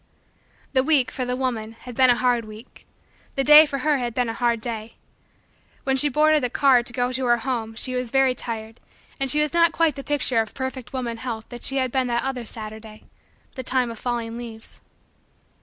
The week, for the woman, had been a hard week. The day, for her, had been a hard day. When she boarded the car to go to her home she was very tired and she was not quite the picture of perfect woman health that she had been that other Saturday the time of falling leaves.